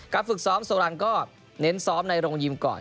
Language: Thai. ฝึกซ้อมโซรังก็เน้นซ้อมในโรงยิมก่อน